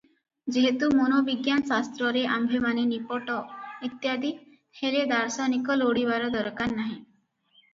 ଯେହେତୁ ମନୋବିଜ୍ଞାନ ଶାସ୍ତ୍ରରେ ଆମ୍ଭେମାନେ ନିପଟ - ଇତ୍ୟାଦି, ହେଲେ ଦାର୍ଶନିକ ଲୋଡିବାର ଦରକାର ନାହିଁ ।